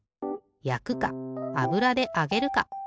やくかあぶらであげるか。